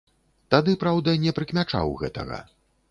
Тады, праўда, не прыкмячаў гэтага.